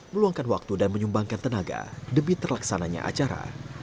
meluangkan waktu dan menyumbangkan tenaga demi terlaksananya acara